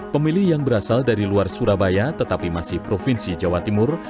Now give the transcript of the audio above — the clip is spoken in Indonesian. pemilih yang berasal dari luar surabaya tetapi masih provinsi jawa timur